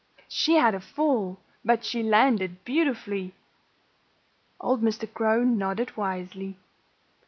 She had a fall; but she landed beautifully." Old Mr. Crow nodded wisely.